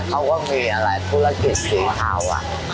เขาก็มีอะไรธุรกิจสีเทา